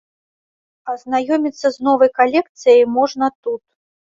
Азнаёміцца з новай калекцыяй можна тут.